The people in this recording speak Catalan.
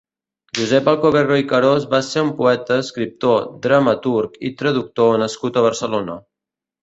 Josep Alcoverro i Carós va ser un poeta, escriptor, dramaturg i traductor nascut a Barcelona.